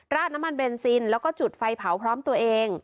น้ำมันเบนซินแล้วก็จุดไฟเผาพร้อมตัวเอง